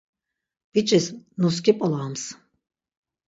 Biç̌is nusǩip̌olams.